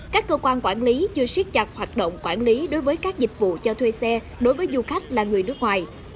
các cơ quan quản lý chưa siết chặt hoạt động quản lý đối với các dịch vụ cho thuê xe đối với du khách là người nước ngoài